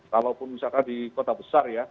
kalaupun misalkan di kota besar ya